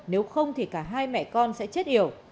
nếu không thì cả hai mẹ con sẽ chết hiểu